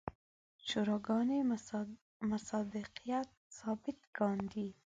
شوراګانې مصداقیت ثابت کاندي.